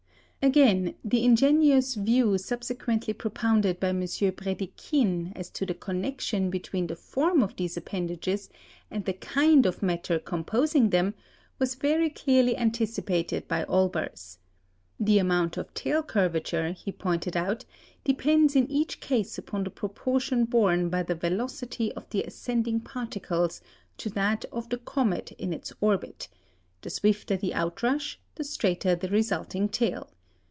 Again, the ingenious view subsequently propounded by M. Bredikhin as to the connection between the form of these appendages and the kind of matter composing them, was very clearly anticipated by Olbers. The amount of tail curvature, he pointed out, depends in each case upon the proportion borne by the velocity of the ascending particles to that of the comet in its orbit; the swifter the outrush, the straighter the resulting tail.